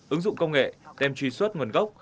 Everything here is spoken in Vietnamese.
ứng dụng công nghệ đem truy xuất nguồn gốc